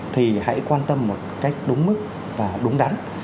thì hãy quan tâm một cách đúng mức và đúng đắn